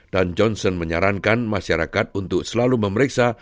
dan johnson menyarankan masyarakat untuk selalu memeriksa